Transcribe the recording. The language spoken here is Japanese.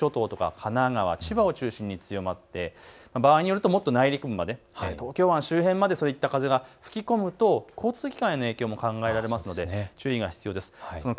伊豆諸島と神奈川、千葉を中心に強まって場合によるともっと内陸部まで東京湾周辺までそういった風が吹き込むと交通機関への影響も考えられますので注意が必要です。